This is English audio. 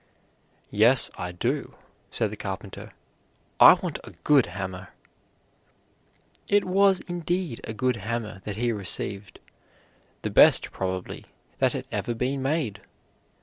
"Yes, I do," said the carpenter, "I want a good hammer." It was indeed a good hammer that he received, the best, probably, that had ever been made.